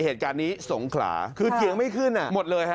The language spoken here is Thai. เหตุการณ์นี้สงขลาคือเถียงไม่ขึ้นอ่ะหมดเลยฮะ